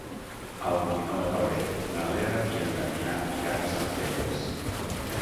El vint-i-nou de febrer na Lea i en Damià iran a Centelles.